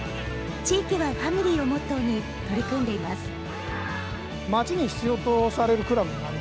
地域はファミリーをモットーに取り組んでいます。